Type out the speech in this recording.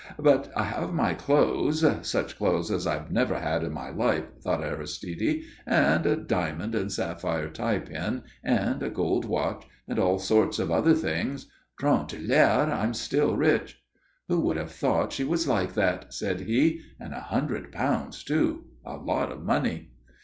"But I have my clothes such clothes as I've never had in my life," thought Aristide. "And a diamond and sapphire tie pin and a gold watch, and all sorts of other things. Tron de l'air, I'm still rich." "Who would have thought she was like that?" said he. "And a hundred pounds, too. A lot of money."